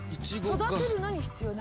育てるのに必要な。